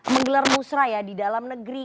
menggelar musra ya di dalam negeri